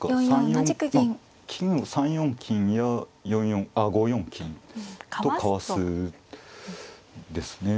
３四まあ金を３四金や５四金とかわすですね。